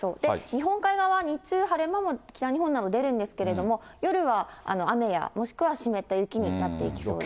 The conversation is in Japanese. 日本海側、日中、晴れ間も北日本など出るんですけれども、夜は雨や、もしくは湿った雪になっていきそうです。